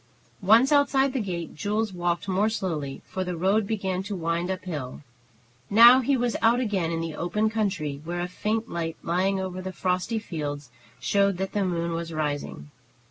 Once outside the gate, Jules walked more slowly, for the road began to wind up hill. Now he was out again in the open country, where a faint light lying over the frosty fields showed that the moon was rising.